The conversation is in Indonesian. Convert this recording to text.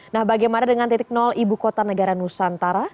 nah bagaimana dengan titik nol ibu kota negara nusantara